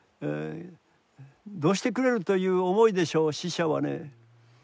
どうしてくれるという思いでしょう死者はね。